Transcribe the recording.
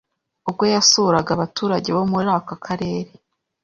ubwo yasuraga abaturage bo muri aka karere